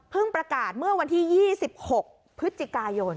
เพิ่งประกาศเมื่อวันที่๒๖พฤติกายน